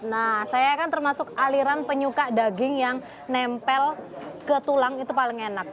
nah saya kan termasuk aliran penyuka daging yang nempel ke tulang itu paling enak